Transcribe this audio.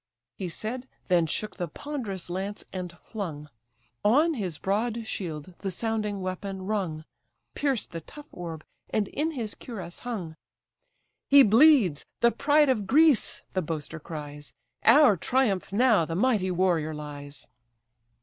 He said, then shook the ponderous lance, and flung; On his broad shield the sounding weapon rung, Pierced the tough orb, and in his cuirass hung, "He bleeds! the pride of Greece! (the boaster cries,) Our triumph now, the mighty warrior lies!"